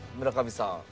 村上さん。